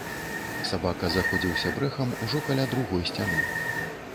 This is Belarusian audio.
Сабака заходзіўся брэхам ужо каля другой сцяны.